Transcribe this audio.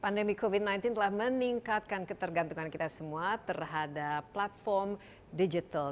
pandemi covid sembilan belas telah meningkatkan ketergantungan kita semua terhadap platform digital